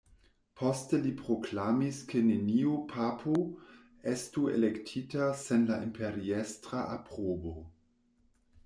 Poste li proklamis ke neniu papo estu elektita sen la imperiestra aprobo.